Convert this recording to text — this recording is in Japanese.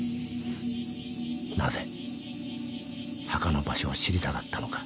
［なぜ墓の場所を知りたがったのか］